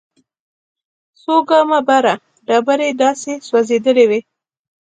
څو ګامه بره ډبرې داسې سوځېدلې وې.